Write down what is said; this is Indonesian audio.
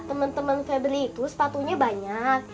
temen temen febri itu sepatunya banyak